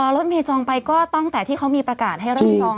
รถเมย์จองไปก็ตั้งแต่ที่เขามีประกาศให้เริ่มจอง